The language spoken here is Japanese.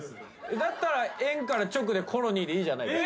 だったら円から直でガロンでいいじゃないですか。